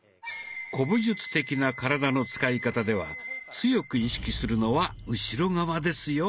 古武術的な体の使い方では強く意識するのは後ろ側ですよ。